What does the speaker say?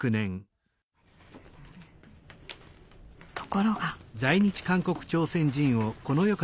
ところが。